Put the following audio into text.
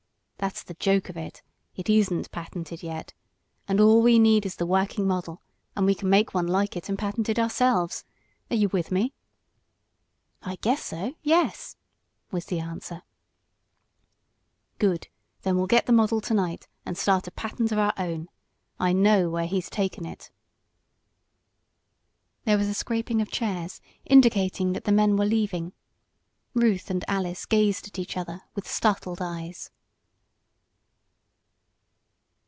"That's the joke of it. It isn't patented yet. And all we need is the working model, and we can make one like it and patent it ourselves. Are you with me?" "I guess so yes!" was the answer. "Good, then we'll get the model to night and start a patent of our own. I know where he's taken it." There was a scraping of chairs, indicating that the men were leaving. Ruth and Alice gazed at each other with startled eyes.